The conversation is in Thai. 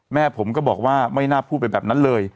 แม่ผมก็บอกว่าไม่น่าพูดไปแบบนั้นเลย